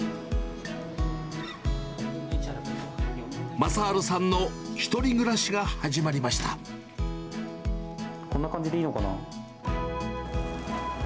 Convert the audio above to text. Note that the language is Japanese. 雅治さんの１人暮らしが始まこんな感じでいいのかな。